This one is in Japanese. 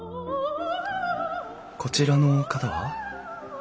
こちらの方は？